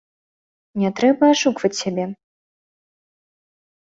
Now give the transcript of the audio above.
Не трэба ашукваць сябе.